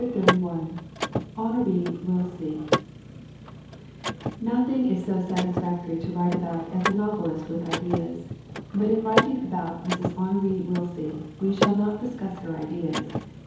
CHAPTER XXXI HONORE WILLSIE NOTHING is so satisfactory to write about as a novelist with ideas; but in writing about Mrs. Honore Willsie we shall not discuss her ideas.